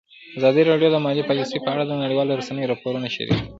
ازادي راډیو د مالي پالیسي په اړه د نړیوالو رسنیو راپورونه شریک کړي.